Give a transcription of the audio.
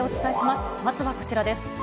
まずはこちらです。